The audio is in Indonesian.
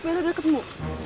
kenzo udah ketemu